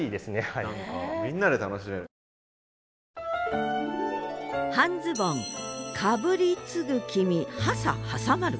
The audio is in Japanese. みんなで楽しめる。